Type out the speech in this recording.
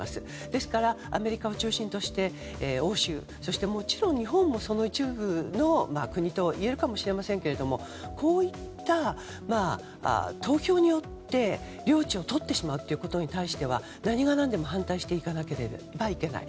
ですからアメリカを中心に欧州そして、もちろん日本もその一部の国といえるかもしれませんがこういった投票によって領地を取ってしまうということに対しては何が何でも反対していかなければいけない。